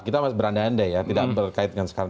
kita masih beranda anda ya tidak berkait dengan sekarang